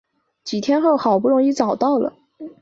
几天后好不容易找到了